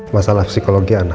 masalah psikologi anak